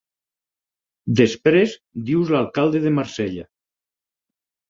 Després dius l'alcalde de Marsella.